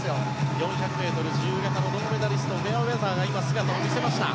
４００ｍ自由形の銅メダリスト、フェアウェザーが今、姿を見せました。